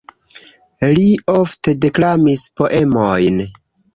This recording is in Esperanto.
Li ofte deklamis poemojn.